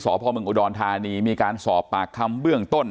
สพมอุดรธานีมีการสอบปากคำเบื้องต้น